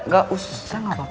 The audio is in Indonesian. gak usah nggak apa apa